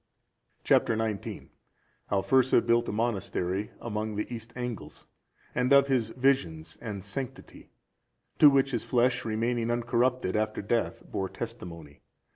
Chap. XIX. How Fursa built a monastery among the East Angles, and of his visions and sanctity, to which, his flesh remaining uncorrupted after death bore testimony.